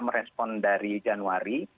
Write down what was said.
merespon dari januari